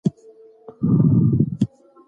استقامت د روحاني قوت او ايمان نښه ده.